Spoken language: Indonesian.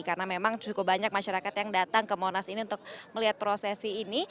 karena memang cukup banyak masyarakat yang datang ke monas ini untuk melihat prosesi ini